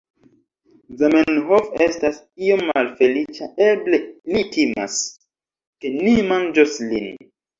Zamenhof estas iom malfeliĉa eble li timas, ke ni manĝos lin